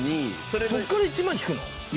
そこから１万引くの？